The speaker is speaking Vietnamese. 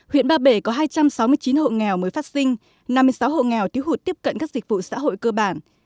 huyện ba bể có hai trăm sáu mươi chín hộ nghèo mới phát sinh năm mươi sáu hộ nghèo thiếu hụt tiếp cận các dịch vụ xã hội cơ bản